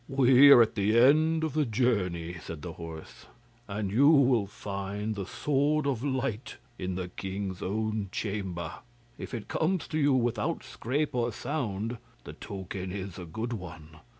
'We are at the end of the journey,' said the horse, 'and you will find the Sword of Light in the king's own chamber. If it comes to you without scrape or sound, the token is a good one.